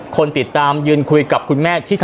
คนติดตามยืนคุยกับคุณแม่ที่